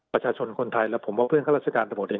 ประชาชนคนไทยและผมว่าเพื่อนรัฐราชการทะโมดิน